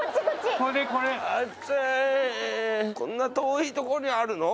こんな遠い所にあるの？